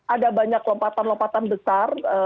ada banyak lompatan lompatan besar